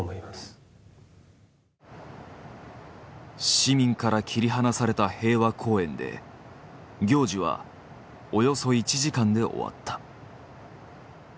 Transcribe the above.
市民から切り離された平和公園で行事はおよそ１時間で終わった。